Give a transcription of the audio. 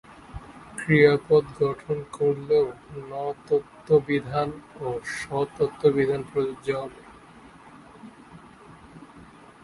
ক্রিয়াপদ গঠন করলেও ণ-ত্ব বিধান ও ষ-ত্ব বিধান প্রযোজ্য হবে।